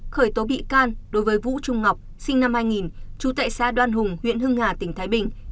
khởi tố bị can đối với vũ trung ngọc sinh năm hai nghìn trú tại xã đoan hùng huyện hưng hà tỉnh thái bình